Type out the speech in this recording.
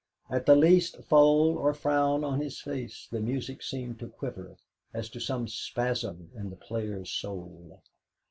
At the least fold or frown on his face the music seemed to quiver, as to some spasm in the player's soul.